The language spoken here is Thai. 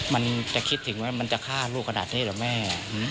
มันจะคิดถึงว่ามันจะฆ่าลูกขนาดนี้เหรอแม่